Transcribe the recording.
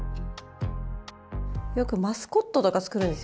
よくマスコットとか作るんですよ。